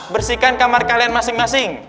bersihkan kamar kalian masing masing